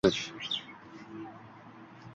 ularni yaxshilikka yo‘llashga, o‘z bolalariga ishonish